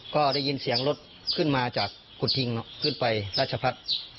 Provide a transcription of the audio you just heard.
ก็ได้ยินเสียงรถขึ้นมาจากกุฎพิงขึ้นไปราชพัฒน์